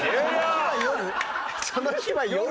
「その日は夜」。